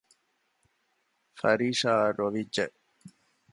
ފާރިޝާއަށް ރޮވިއްޖެ